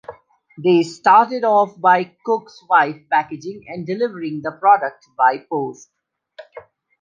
They started off by Cooke's wife packaging and delivering the product by post.